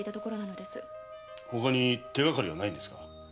ほかに手がかりはないのですか？